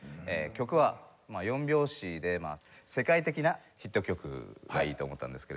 曲は４拍子で世界的なヒット曲がいいと思ったんですけれども。